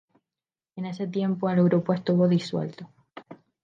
En ese tiempo, el grupo estuvo disuelto.